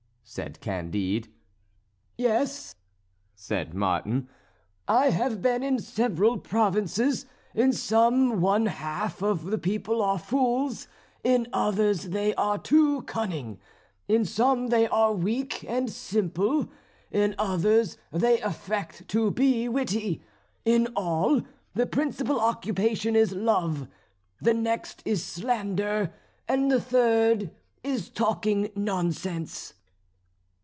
said Candide. "Yes," said Martin, "I have been in several provinces. In some one half of the people are fools, in others they are too cunning; in some they are weak and simple, in others they affect to be witty; in all, the principal occupation is love, the next is slander, and the third is talking nonsense."